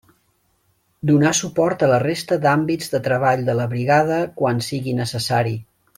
Donar suport a la resta d'àmbits de treball de la brigada quan sigui necessari.